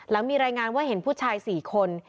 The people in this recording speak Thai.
มีรายงานว่าเห็นผู้ชาย๔คน